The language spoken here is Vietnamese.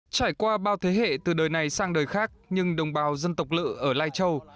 trải qua bao thế hệ từ đời này sang đời khác nhưng đồng bào dân tộc lự ở lai châu